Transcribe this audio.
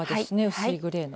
薄いグレーの。